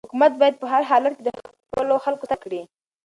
حکومت باید په هر حالت کې د خپلو خلکو ساتنه وکړي.